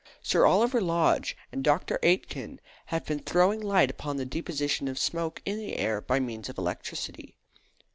Sir Oliver Lodge and Dr. Aitken have been throwing light upon the deposition of smoke in the air by means of electricity.